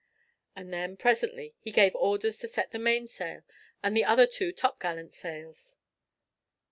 And then presently he gave orders to set the mainsail and the other two topgallant sails.